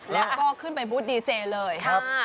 แล้วก็ขึ้นไปบูธดีเจเลย